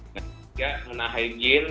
dan ketiga mengenai hygiene